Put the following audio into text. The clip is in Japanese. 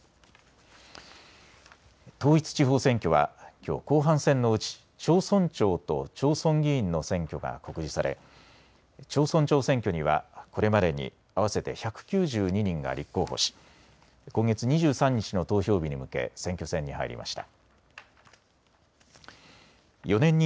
統一地方選挙はきょう後半戦のうち町村長と町村議員の選挙が告示され、町村長選挙にはこれまでに合わせて１９２人が立候補し今月２３日の投票日に向け選挙戦に入りました。